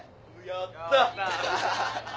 やった！